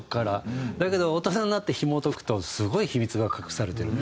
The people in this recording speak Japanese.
だけど大人になってひもとくとすごい秘密が隠されてる。